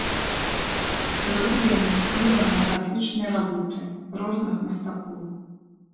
Трылогія натхніла на графічныя работы розных мастакоў.